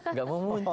nggak mau muncul